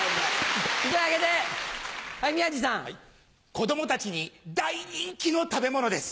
子供たちに大人気の食べ物です。